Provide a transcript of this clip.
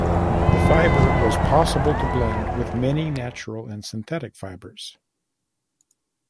The fiber was possible to blend with many natural and synthetic fibers.